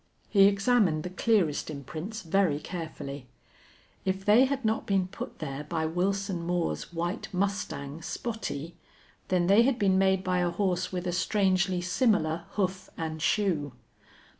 He examined the clearest imprints very carefully. If they had not been put there by Wilson Moore's white mustang, Spottie, then they had been made by a horse with a strangely similar hoof and shoe.